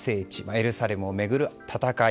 エルサレムを巡る戦い